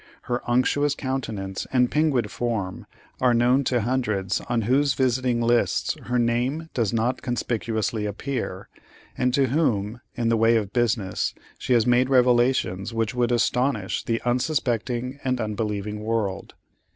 Her unctuous countenance and pinguid form are known to hundreds on whose visiting lists her name does not conspicuously appear, and to whom, in the way of business, she has made revelations which would astonish the unsuspecting and unbelieving world.